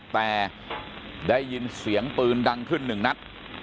แต่ได้ยินเสียงปืนดังขึ้น๑นัท